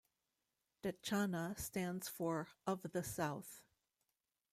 "Detchana" stands for "of the South"